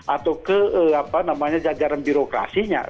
atau ke jajaran birokrasinya